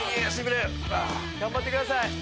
頑張ってください。